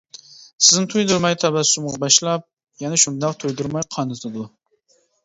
سىزنى تۇيدۇرماي تەبەسسۇمغا باشلاپ، يەنە شۇنداق تۇيدۇرماي قانىتىدۇ.